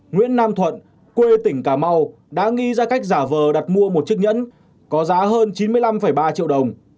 nguyễn nam thuận quê tỉnh cà mau đã nghi ra cách giả vờ đặt mua một chiếc nhẫn có giá hơn chín mươi năm ba triệu đồng